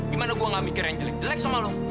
gimana gue gak mikir yang jelek jelek sama lo